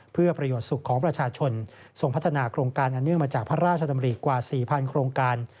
เพื่อประโยชน์สุขของประชาชนส่งพัฒนาโครงการอันเนื่องมาจากพระราชดำริกว่า๔๐๐โครงการ